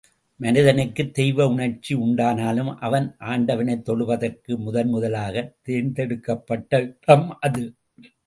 மனிதனுக்குத் தெய்வ உணர்ச்சி உண்டானதும், அவன் ஆண்டவனைத் தொழுவதற்கு முதன் முதலாகத் தேர்ந்தெடுக்கப்பட்ட இடம் அது.